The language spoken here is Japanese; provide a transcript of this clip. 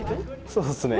そうっすね。